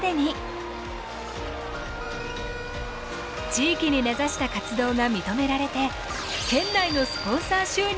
地域に根ざした活動が認められて県内のスポンサー収入も増加。